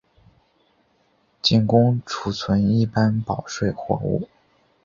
仅供存储一般保税货物。